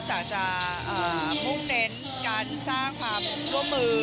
นอกจากจะมุ่งเน้นการสร้างความร่วมมือ